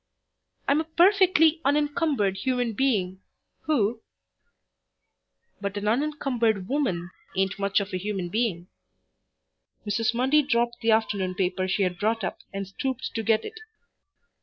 "I am a perfectly unincumbered human being who " "But an unincumbered woman ain't much of a human being." Mrs. Mundy dropped the afternoon paper she had brought up and stooped to get it.